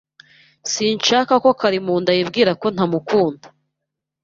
Sinshaka ko Karimunda yibwira ko ntamukunda.